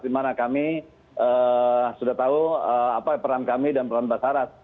dimana kami sudah tahu apa peran kami dan peran mbak saras